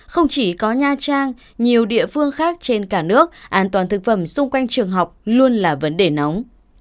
không chỉ có nha trang nhiều địa phương khác trên cả nước an toàn thực phẩm xung quanh trường học luôn là vấn đề nóng